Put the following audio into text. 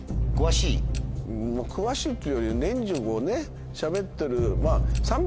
詳しいっていうより年中こうねしゃべってる。